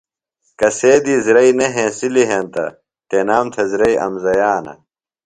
کسے دی زرئی نہ ہینسِلیۡ ہینتہ تنام تھےۡ زرئی امزیانہ۔